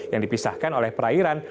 yang dipisahkan oleh perairan